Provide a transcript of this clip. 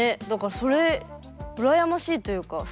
だからそれ羨ましいというか